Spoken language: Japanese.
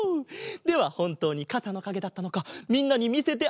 ではほんとうにかさのかげだったのかみんなにみせてあげよう。